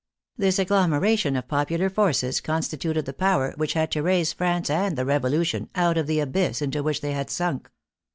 This agglomeration of popular forces constituted the power which had to raise France and the Revolution out of the abyss into which they had sunk.